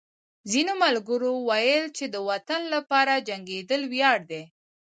ځینو ملګرو ویل چې د وطن لپاره جنګېدل ویاړ دی